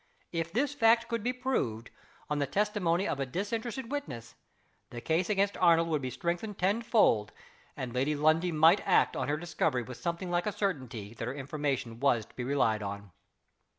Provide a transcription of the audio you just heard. If this fact could be proved, on the testimony of a disinterested witness, the case against Arnold would be strengthened tenfold; and Lady Lundie might act on her discovery with something like a certainty that her information was to be relied on.